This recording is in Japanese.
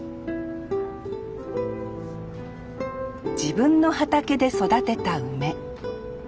自分の畑で育てた梅。